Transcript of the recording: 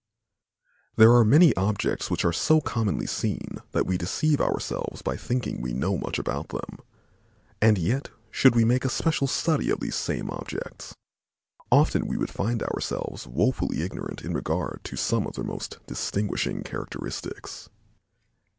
_) There are many objects which are so commonly seen that we deceive ourselves by thinking we know much about them, and yet should we make a special study of these same objects, often we would find ourselves woefully ignorant in regard to some of their most distinguishing characteristics.